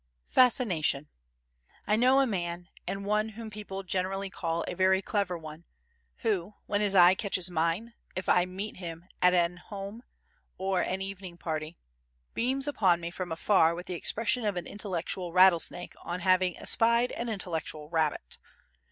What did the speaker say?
Fascination I know a man, and one whom people generally call a very clever one, who, when his eye catches mine, if I meet him at an at home or an evening party, beams upon me from afar with the expression of an intellectual rattlesnake on having espied an intellectual rabbit.